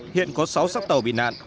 hiện có sáu xác tàu bị nạn